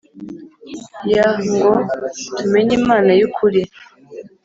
Yh ngo tumenye Imana y ukuri